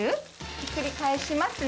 ひっくり返しますね。